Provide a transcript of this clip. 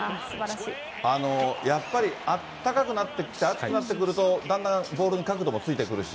やっぱりあったかくなってきて、暑くなってくると、だんだんボールに角度もついてくるし。